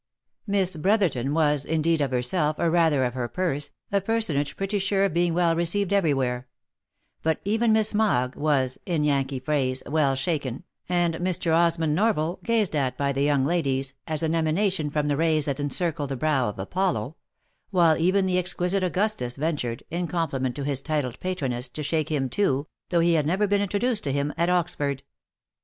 Miss Brotherton was, indeed of herself, or rather of her purse, a personage pretty sure of being well received every where ; but 60 THE LIFE AND ADVENTURES even Miss Mogg was (in yankee phrase) well shaken, and Mr. Osmond Norval gazed at by the young ladies, as an emanation from the rays that encircle the brow of Apollo ; while even the ex quisite Augustus ventured, in compliment to his titled patroness, to shake him too, though he had never been introduced to him at Oxford.